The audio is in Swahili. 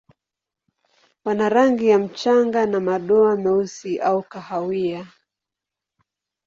Wana rangi ya mchanga na madoa meusi au kahawia.